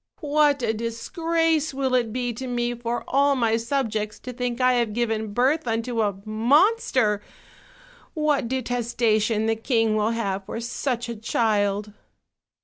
What a disgrace will it be to me for all my subjects to think I have given birth unto a monster! What detestation the king will have for such a child!"